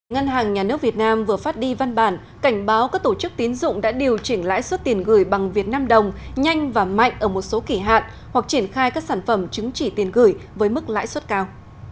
ngân hàng nhà nước việt nam vừa phát đi văn bản cảnh báo các tổ chức tín dụng đã điều chỉnh lãi suất tiền gửi bằng việt nam đồng nhanh và mạnh ở một số kỷ hạn hoặc triển khai các sản phẩm chứng chỉ tiền gửi với mức lãi suất cao